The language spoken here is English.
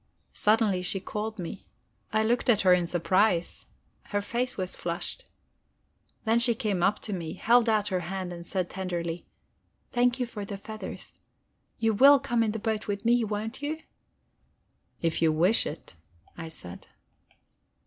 Suddenly she called me. I looked at her in surprise; her face was flushed. Then she came up to me, held out her hand, and said tenderly: "Thank you for the feathers. You will come in the boat with me, won't you?" "If you wish it," I said.